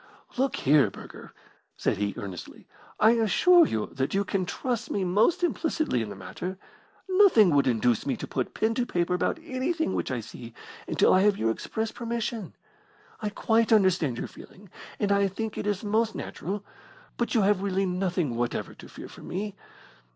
"Look here, Burger," said he, earnestly, "I assure you that you can trust me most implicitly in the matter. Nothing would induce me to put pen to paper about anything which I see until I have your express permission. I quite understand your feeling, and I think it is most natural, but you have really nothing whatever to fear from me.